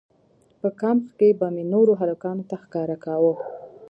په کمپ کښې به مې نورو هلکانو ته ښکاره کاوه.